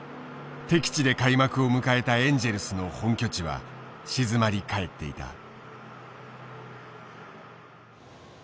敵地で開幕を迎えたエンジェルスの本拠地は静まり返っていた。